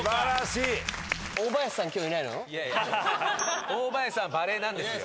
いやいや大林さんはバレーなんですよ。